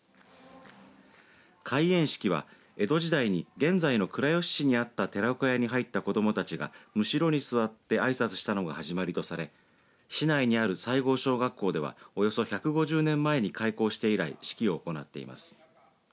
開莚式は江戸時代に現在の倉吉市にあった寺子屋に入った子どもたちがむしろに座ってあいさつしたのが始まりとされ市内にある西郷小学校ではおよそ１５０年前に開校して以来式を行っています。